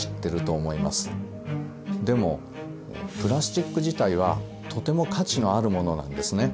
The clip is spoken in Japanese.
でもプラスチック自体はとても価値のあるものなんですね。